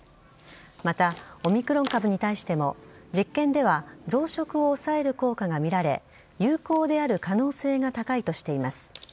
また、オミクロン株に対しても実験では増殖を抑える効果が見られ有効である可能性が高いとしています。